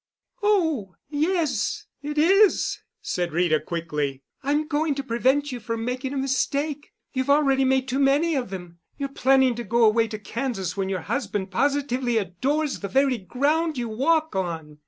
"Oh, yes, it is," said Rita quickly. "I'm going to prevent you from making a mistake. You've already made too many of them. You're planning to go away to Kansas when your husband positively adores the very ground you walk on."